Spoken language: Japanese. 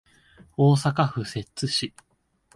大阪府摂津市